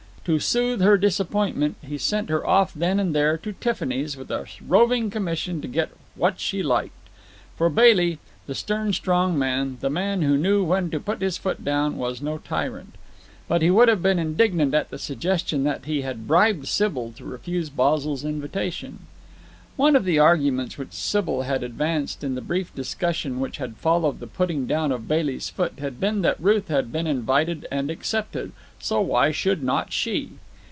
To soothe her disappointment, he sent her off then and there to Tiffany's with a roving commission to get what she liked; for Bailey, the stern, strong man, the man who knew when to put his foot down, was no tyrant. But he would have been indignant at the suggestion that he had bribed Sybil to refuse Basil's invitation. One of the arguments which Sybil had advanced in the brief discussion which had followed the putting down of Bailey's foot had been that Ruth had been invited and accepted, so why should not she?